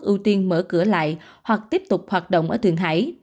trung quốc ưu tiên mở cửa lại hoặc tiếp tục hoạt động ở thượng hải